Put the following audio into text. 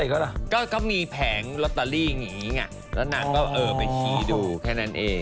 ก็มีแผงลูตารีอย่างนี้แล้วนางก็เออไปชี้ดูแค่นั้นเอง